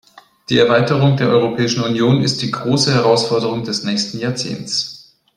Die Erweiterung der Europäischen Union ist die große Herausforderung des nächsten Jahrzehnts.